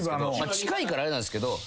近いからあれなんですけど。